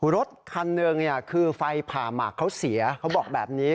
รถคันหนึ่งคือไฟผ่าหมากเขาเสียเขาบอกแบบนี้